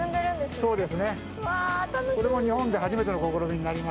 これも日本で初めての試みになります。